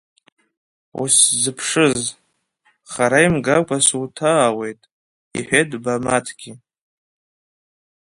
Усзыԥшыз, хара имгакәа суҭаауеит, — иҳәеит Бамаҭгьы.